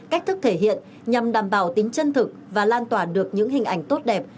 cách thức thể hiện nhằm đảm bảo tính chân thực và lan tỏa được những hình ảnh tốt đẹp